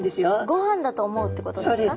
ごはんだと思うってことですか？